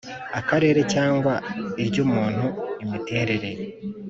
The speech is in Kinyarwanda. Akarere cyangwa iry umuntu imiterere